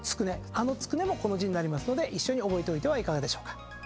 あのつくねもこの字になりますので一緒に覚えておいてはいかがでしょうか。